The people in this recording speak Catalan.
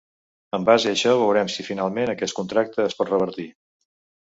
En base a això veurem si finalment aquest contracte es pot revertir.